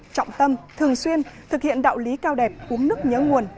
trọng tâm thường xuyên thực hiện đạo lý cao đẹp uống nước nhớ nguồn